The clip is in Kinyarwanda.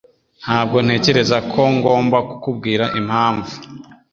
Ntabwo ntekereza ko ngomba kukubwira impamvu